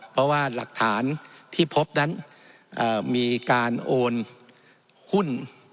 เพราะว่าหลักฐานที่พบนั้นมีการโอนหุ้น